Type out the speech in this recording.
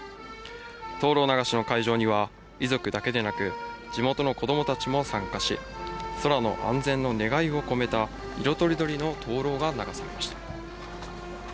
灯籠流しの会場には、遺族だけでなく、地元の子どもたちも参加し、空の安全の願いをこめた、色とりどりの灯籠が流されました。